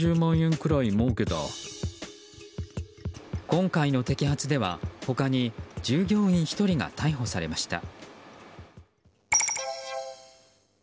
今回の摘発では、他に従業員１人が逮捕されました。